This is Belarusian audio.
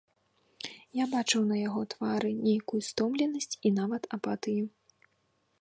Я бачыў на яго твары нейкую стомленасць і нават апатыю.